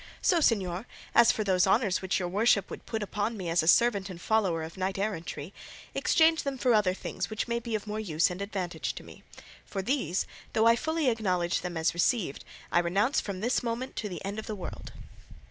So, señor, as for these honours which your worship would put upon me as a servant and follower of knight errantry, exchange them for other things which may be of more use and advantage to me; for these, though I fully acknowledge them as received, I renounce from this moment to the end of the world."